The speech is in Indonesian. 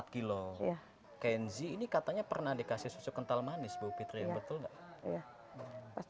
kilo kenzi ini katanya pernah dikasih susu kental manis bukitnya betul enggak ya pas